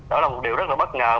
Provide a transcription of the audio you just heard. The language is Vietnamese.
đó là một điều rất là bất ngờ